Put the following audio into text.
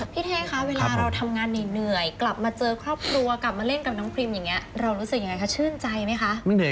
พี่เท่คะเวลาเราทำงานเหนื่อย